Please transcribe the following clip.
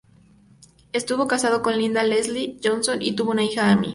Estuvo casado con Linda Leslie Johnson y tuvo una hija, Amy.